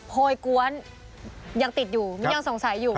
โพยกวนยังติดอยู่มิ้นยังสงสัยอยู่